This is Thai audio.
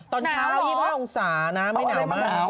ตอนเช้า๒๕องศานะไม่หนาวมาก